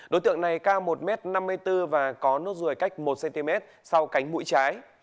đối tượng này cao một m năm mươi bốn và có nốt ruồi cách một cm sau cánh mũi trái